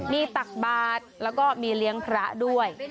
มีตักบาทแล้วก็มีเลี้ยงพระด้วย